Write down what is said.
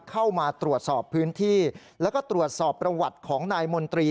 เข้ามาตรวจสอบพื้นที่แล้วก็ตรวจสอบประวัติของนายมนตรี